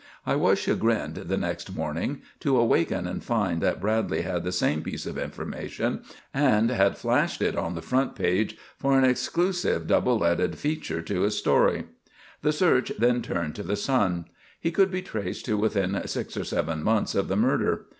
I was chagrined the next morning to awaken and find that Bradley had the same piece of information and had "flashed" it on the front page for an exclusive double leaded feature to his story. The search then turned to the son. He could be traced to within six or seven months of the murder.